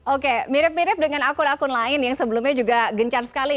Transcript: oke mirip mirip dengan akun akun lain yang sebelumnya juga gencar sekali